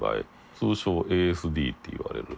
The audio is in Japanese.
通称ＡＳＤって言われる。